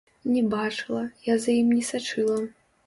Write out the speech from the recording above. Не бачыла, я за ім не сачыла.